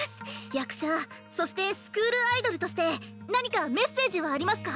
役者そしてスクールアイドルとして何かメッセージはありますか？